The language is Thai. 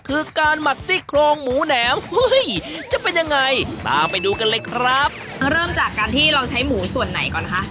เริ่มจากการที่เราใช้หมูส่วนไหนก่อนครับ